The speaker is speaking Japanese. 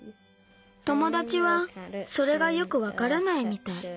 ともだちはそれがよくわからないみたい。